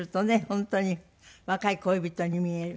本当に若い恋人に見える。